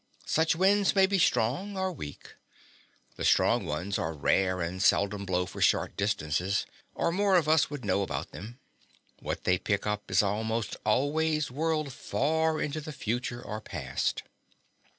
Such winds may be strong or weak. The strong ones are rare and seldom blow for short distances, or more of us would know about them. What they pick up is almost always whirled far into the future or past.